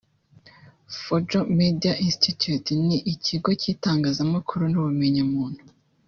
Fojo Media Institute ni ikigo cy’itangazamakuru n’ubumenyamuntu